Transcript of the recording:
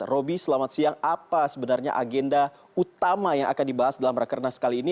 roby selamat siang apa sebenarnya agenda utama yang akan dibahas dalam rakernas kali ini